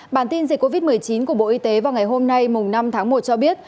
bản tin dịch covid một mươi chín của bộ y tế vào ngày hôm nay năm tháng một cho biết